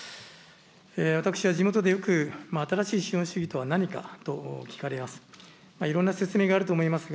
私は地元でよく、新しい資本主義とは何かと聞かれます。